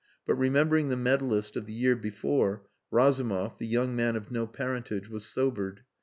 But remembering the medallist of the year before, Razumov, the young man of no parentage, was sobered.